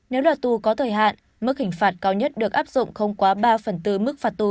nếu là tù có thời hạn mức hình phạt cao nhất được áp dụng không quá ba phần tư mức phạt tù